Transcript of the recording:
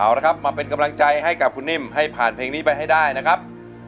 เอาละครับมาเป็นกำลังใจให้กับคุณนิ่มให้ผ่านเพลงนี้ไปให้ได้นะครับ